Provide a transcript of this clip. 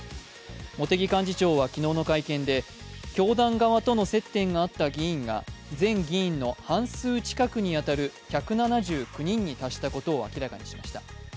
茂木幹事長は昨日の会見で教団側との接点があった議員が全議員の半数近くに当たる１７９人に達したことを明らかにしました。